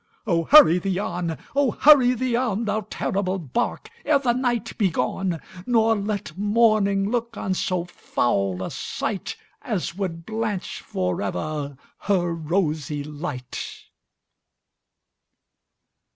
Oh! hurry thee on,—oh! hurry thee on, Thou terrible bark, ere the night be gone, Nor let morning look on so foul a sightAs would blanch forever her rosy light!